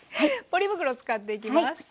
ポリ袋使っていきます。